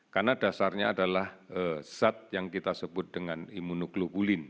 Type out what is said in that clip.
karena dasarnya adalah zat yang kita sebut dengan imunoglobulin